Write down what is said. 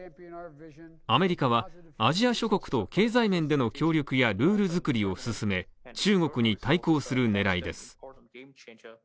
アメリカはアジア諸国と経済面での協力やルール作りを進め中国に対抗する狙いです。